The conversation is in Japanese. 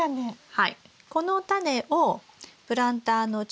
はい。